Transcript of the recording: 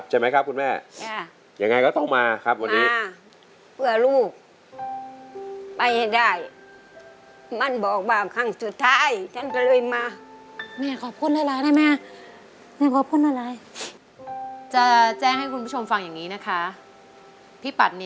ใช่ไหมครับคุณแม่